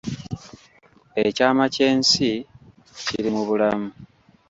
Ekyama ky’ensi kiri mu bulamu